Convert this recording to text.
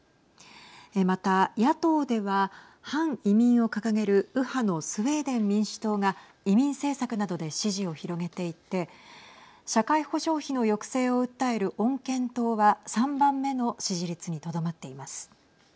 また、野党では反移民を掲げる右派のスウェーデン民主党が移民政策などで支持を広げていて社会保障費の抑制を訴える穏健党は３番目の支持率にとどまっています。